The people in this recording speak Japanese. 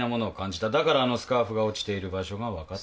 だからあのスカーフが落ちている場所が分かったんです。